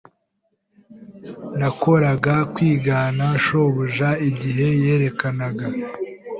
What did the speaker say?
Nakoraga kwigana shobuja igihe yerekanaga.